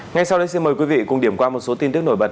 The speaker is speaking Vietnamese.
ngay sau đây xin mời quý vị cùng điểm qua một số tin tức nổi bật